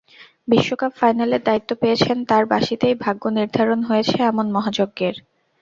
বিশ্বকাপ ফাইনালের দায়িত্ব পেয়েছেন, তাঁর বাঁশিতেই ভাগ্য নির্ধারণ হয়েছে এমন মহাযজ্ঞের।